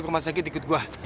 koma sakit ikut gua